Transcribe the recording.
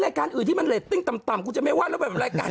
รายการอื่นที่มันต่ำต่ำกูจะไม่ว่าแล้วกว่าแบบรายการ